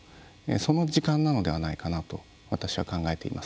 その時間なのではないかなと私は考えています。